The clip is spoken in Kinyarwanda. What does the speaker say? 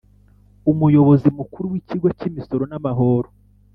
Umuyobozi mukuru w’ ikigo cy ‘Imisoro n ‘Amahoro